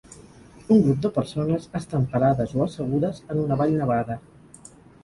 Un grup de persones estan parades o assegudes en una vall nevada.